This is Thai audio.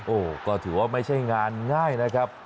โอ้โหก็ถือว่าไม่ใช่งานง่ายนะครับ